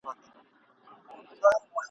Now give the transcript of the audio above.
ښځي هم شیریني ورکړله محکمه !.